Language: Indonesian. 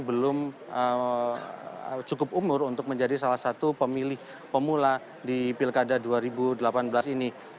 belum cukup umur untuk menjadi salah satu pemula di pilkada dua ribu delapan belas ini